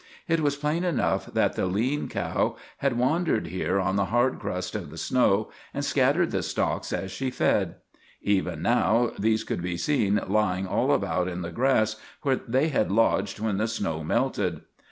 It was plain enough that the lean cow had wandered here on the hard crust of the snow and scattered the stalks as she fed. Even now these could be seen lying all about in the grass where they had lodged when the snow melted.